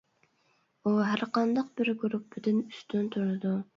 ئۇ ھەر قانداق بىر گۇرۇپپىدىن ئۈستۈن تۇرىدۇ.